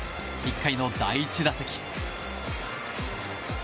１回の第１打席。